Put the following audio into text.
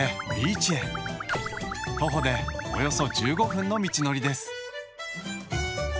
徒歩でおよそ１５分の道のりです。